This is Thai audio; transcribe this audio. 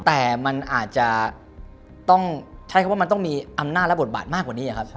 แต่มันอาจจะต้องใช้คำว่ามันต้องมีอำนาจและบทบาทมากกว่านี้ครับ